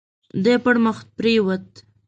دی پړمخي پرېووت.